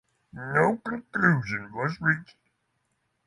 No conclusion was reached.